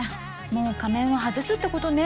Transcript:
もう仮面は外すってことね。